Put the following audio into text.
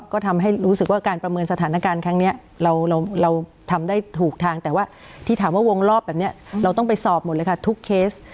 ก็ทำให้รู้สึกว่าการประเมินสถานการณ์ครั้งนี้เราทำได้ถูกทางแต่ว่าที่ถามว่าวงรอบแบบนี้เราต้องไปสอบหมดเลยค่ะทุกเคส